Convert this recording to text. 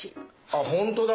あ本当だ。